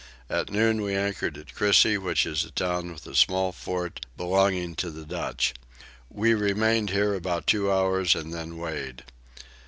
At noon we anchored at Crissey which is a town with a small fort belonging to the Dutch. We remained here about two hours and then weighed.